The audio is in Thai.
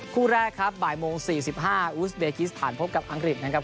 คู่แรกครับบ่ายโมง๔๕อูสเบกิสถานพบกับอังกฤษนะครับ